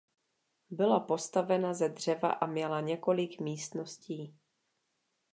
Byla postavena ze dřeva a měla několik místností.